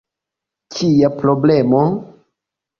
Kia problemo?